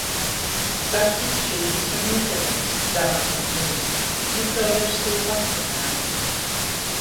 Kaķis, čības un internets, dāmas un kungi. Mikroversija atvaļinājumam.